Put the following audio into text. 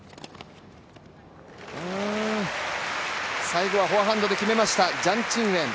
最後はフォアハンドで決めました、ジャン・チンウェン。